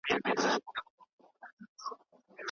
د ښځي هغه حقوق چي د نارينه سره مساوي دي.